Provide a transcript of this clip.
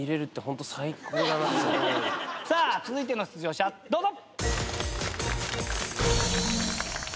さあ続いての出場者どうぞ！